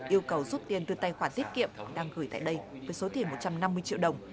yêu cầu rút tiền từ tài khoản tiết kiệm đang gửi tại đây với số tiền một trăm năm mươi triệu đồng